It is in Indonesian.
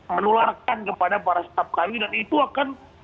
menularkan kepada para staf kami dan itu akan